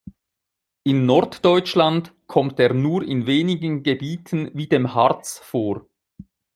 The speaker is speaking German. In Norddeutschland kommt er nur in wenigen Gebieten wie dem Harz vor.